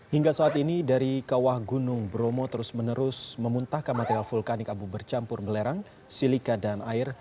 hingga saat ini dari kawah gunung bromo terus menerus memuntahkan material vulkanik abu bercampur belerang silika dan air